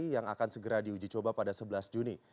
yang akan segera diuji coba pada sebelas juni